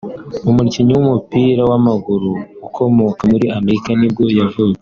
umukinnyi w’umupira w’amaguru ukomoka muri Amerika nibwo yavutse